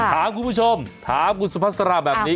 ถามคุณผู้ชมถามคุณสุภาษาแบบนี้